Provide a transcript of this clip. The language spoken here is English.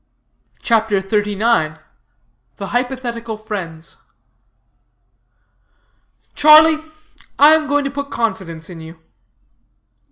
CHAPTER XXXIX. THE HYPOTHETICAL FRIENDS. "Charlie, I am going to put confidence in you."